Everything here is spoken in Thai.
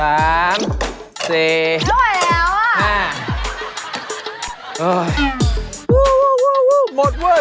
โอ้โฮหมดเว้ย